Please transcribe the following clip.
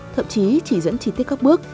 thậm chí chỉ dẫn chi tiết các bước